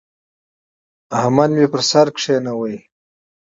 احمد مې پر سر کېناوو.